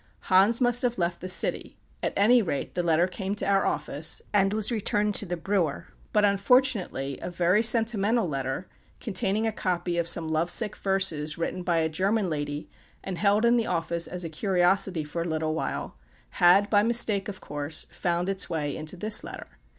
Hans must have left the city at any rate, the letter came to our office, and was returned to the brewer; but, unfortunately, a very sentimental letter, containing a copy of some love sick verses, written by a German lady, and held in the office as a curiosity for a little while, had (by mistake, of course) found its way into this letter.